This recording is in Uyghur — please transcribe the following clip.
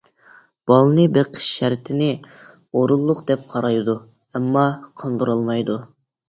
بالىنى بېقىش شەرتىنى ئورۇنلۇق دەپ قارايدۇ، ئەمما قاندۇرالمايدۇ.